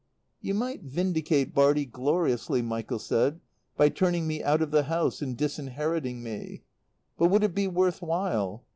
"You might vindicate Bartie gloriously," Michael said, "by turning me out of the house and disinheriting me. But would it be worth while?